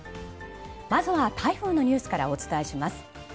まずは台風のニュースからお伝えします。